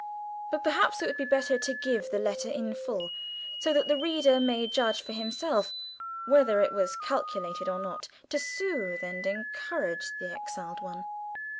But perhaps it will be better to give the letter in full, so that the reader may judge for himself whether it was calculated or not to soothe and encourage the exiled one.